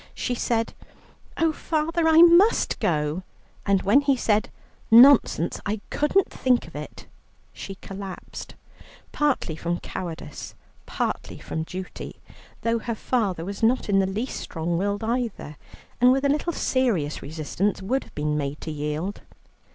She said, "Oh, father, I must go," and when he said, "Nonsense, I couldn't think of it," she collapsed, partly from cowardice, partly from duty, though her father was not in the least strong willed either, and with a little serious resistance would have been made to yield.